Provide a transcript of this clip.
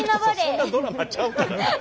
そんなドラマちゃうから。